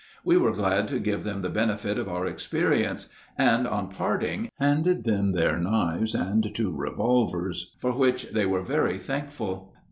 We were glad to give them the benefit of our experience, and on parting handed them their knives and two revolvers, for which they were very thankful.